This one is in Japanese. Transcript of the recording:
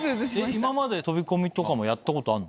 今まで飛び込みとかもやったことあんの？